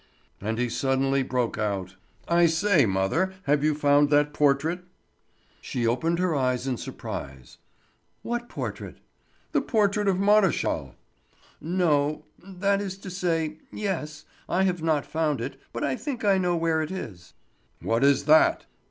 And he suddenly broke out: "I say, mother, have you found that portrait?" She opened her eyes in surprise. "What portrait?" "The portrait of Maréchal." "No—that is to say—yes—I have not found it, but I think I know where it is." "What is that?"